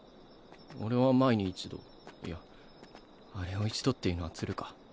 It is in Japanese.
俺は前に一度いやあれを一度って言うのはズルか。